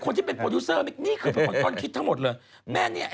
นี่เถอะขอไปอีกห้าตำแหน่ง